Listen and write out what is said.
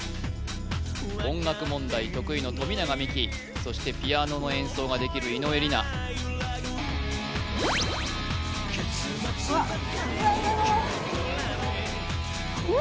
音楽問題得意の富永美樹そしてピアノの演奏ができる井上梨名うわっうわうわ